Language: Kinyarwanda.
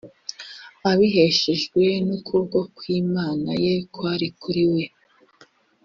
abiheshejwe n ukuboko kw imana ye kwari kuri we